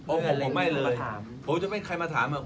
ผมไม่เลยผมจะไม่ใครมาถาม